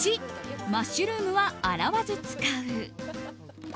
１マッシュルームは洗わず使う。